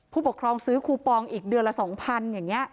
พุครองซื้อคูปองอีกเดือนละ๒๐๐๐อย่างเนี่ย